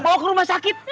bawa ke rumah sakit